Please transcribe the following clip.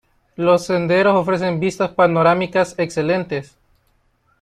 Los senderos ofrecen vistas panorámicas excelentes.